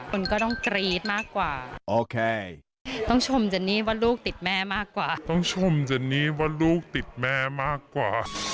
คุณก็ติดทั้งคุณทั้งคุณสามีคุณนั้นแหละ